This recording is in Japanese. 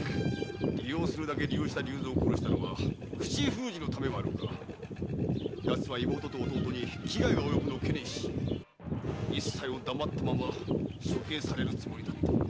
利用するだけ利用した竜蔵を殺したのは口封じのためもあろうが奴は妹と弟に危害が及ぶのを懸念し一切を黙ったまま処刑されるつもりだった。